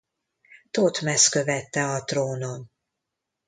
Thotmesz követte a trónon.